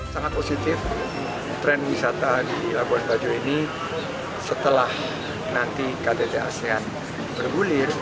sangat positif tren wisata di labuan bajo ini setelah nanti ktt asean bergulir